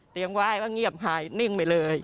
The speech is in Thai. เสียงไหว้ว่าเงียบหายนิ่งไปเลย